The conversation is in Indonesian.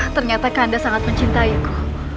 ternyata kanda sangat mencintaiku